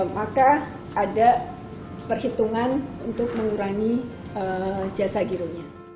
maka ada perhitungan untuk mengurangi jasa gironya